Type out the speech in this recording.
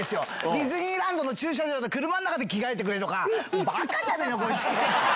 ディズニーランドの駐車場で、車の中で着替えてくれとか、バカじゃねえの、こいつ。